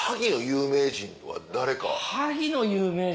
萩の有名人？